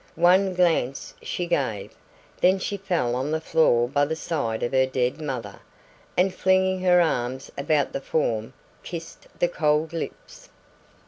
One glance she gave, then she fell on the floor by the side of her dead mother, and flinging her arms about the form kissed the cold lips.